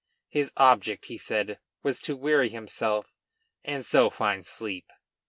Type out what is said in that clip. His object, he said, was to weary himself and so find sleep.